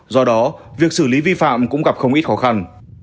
do đó việc xử lý vi phạm cũng gặp không ít khó khăn